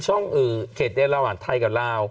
ช่องอู๋เขตในระหว่างไทยกับลาว